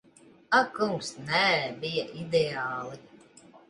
Ak kungs, nē. Bija ideāli.